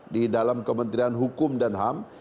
di dalam kementerian hukum dan ham